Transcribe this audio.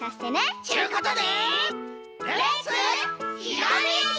ちゅうことでレッツひらめき！